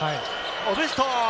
オブスト。